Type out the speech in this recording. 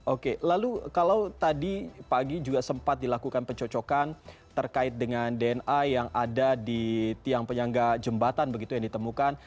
oke lalu kalau tadi pagi juga sempat dilakukan pencocokan terkait dengan dna yang ada di tiang penyangga jembatan begitu yang ditemukan